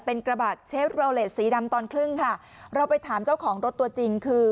เป็นกระบะเชฟโรเลสสีดำตอนครึ่งค่ะเราไปถามเจ้าของรถตัวจริงคือ